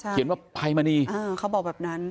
เขียนว่าภัยมณีเขาบอกแบบนั้น